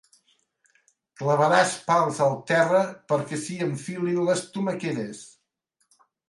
Clavaràs pals al terra perquè s'hi enfilin les tomaqueres.